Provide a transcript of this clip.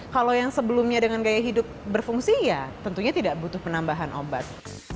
kalau yang sebelumnya dengan gaya hidup berfungsi ya tentunya tidak butuh penambahan obat